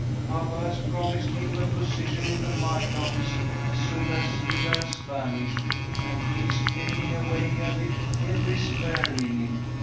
Papa has promised him a position in the mine office as soon as he learns Spanish, and he is pegging away at it every spare minute.